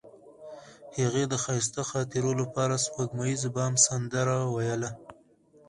هغې د ښایسته خاطرو لپاره د سپوږمیز بام سندره ویله.